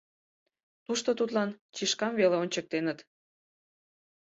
Тушто тудлан чишкам веле ончыктеныт...